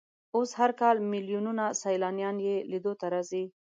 اوس هر کال ملیونونه سیلانیان یې لیدو ته راځي.